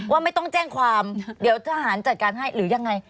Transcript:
ว่าไม่ต้องแจ้งความเดี๋ยวทหารจัดการให้หรือยังไง